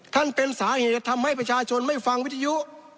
เป็นสาเหตุทำให้ประชาชนไม่ฟังวิทยุ